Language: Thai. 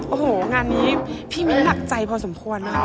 โอ้โหงานนี้พี่มิ้นหนักใจพอสมควรนะคะ